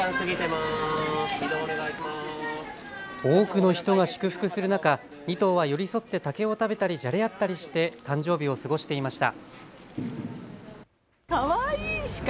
多くの人が祝福する中、２頭は寄り添って竹を食べたりじゃれ合ったりして誕生日を過ごしていました。